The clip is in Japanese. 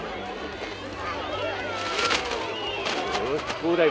どうだい？